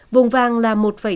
vùng vàng là một tám